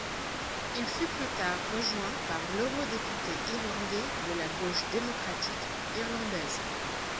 Il fut plus tard rejoint par l'eurodéputé irlandais de la Gauche démocratique irlandaise.